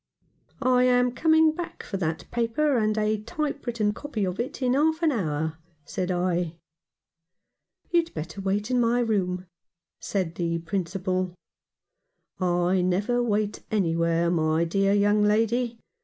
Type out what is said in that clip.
" I am coming back for that paper and a type written copy of it in half an hour," said I. "You'd better wait in my room," said the Principal. " I never wait anywhere, my dear young lady.